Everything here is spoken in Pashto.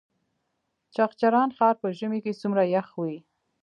چغچران ښار په ژمي کې څومره یخ وي؟